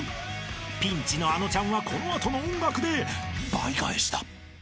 ［ピンチのあのちゃんはこの後の音楽で倍返しだ！］